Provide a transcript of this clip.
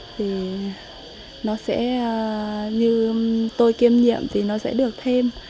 thì nó sẽ như tôi kiêm nhiệm thì nó sẽ được thêm